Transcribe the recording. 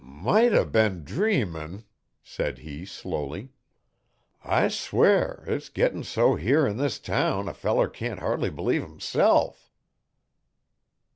'Might a ben dreamin',' said he slowly. 'I swear it's gittin' so here 'n this town a feller can't hardly b'lieve himself.'